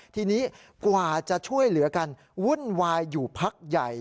ทีนี้กว่าจะช่วยเหลือกันวุ่นวายอยู่พักใหญ่